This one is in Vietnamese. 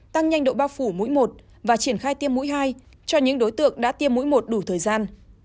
tăng nhanh độ bao phủ mũi một và triển khai tiêm mũi hai cho những đối tượng đã tiêm mũi một đủ thời gian